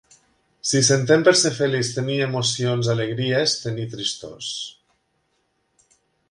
Si s'entén per ser feliç tenir emocions, alegries, tenir tristors